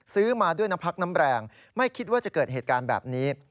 ซื้อมาด้วยน้ำพักน้ำแรงไม่คิดว่าจะเกิดเหตุการณ์แบบนี้